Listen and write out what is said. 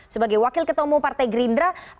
sebagai wakil ketemu partai gerindra